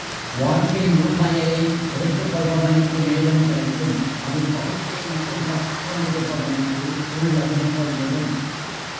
வாழ்க்கை முழுமையையும் எடுத்துக் கொள்பவனுக்கு மேலும் கிடைக்கும் அதில் பகுதியை மட்டும் பற்றிக்கொண் டிருப்பவனுக்கு உள்ளதும் போய்விடும்.